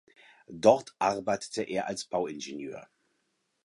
Dort arbeitete er als Bauingenieur.